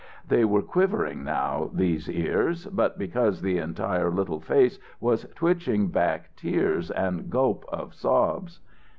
They were quivering now, these ears, but because the entire little face was twitching back tears and gulp of sobs.